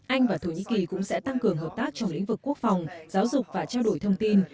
anh và thổ nhĩ kỳ cũng sẽ tăng cường hợp tác trong lĩnh vực quốc phòng giáo dục và trao đổi thông tin